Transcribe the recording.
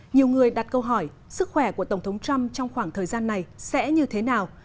nhiều người đặt câu hỏi sức khỏe của tổng thống trump trong khoảng thời gian này sẽ như thế nào